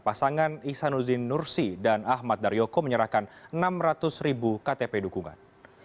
pasangan ihsanuddin nursi dan ahmad daryoko menyerahkan enam ratus ribu ktp dukungan